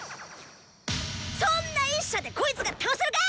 そんな一射でこいつが倒せるか！